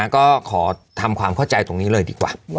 ก็ขอทำความเข้าใจตรงนี้เลยดีกว่า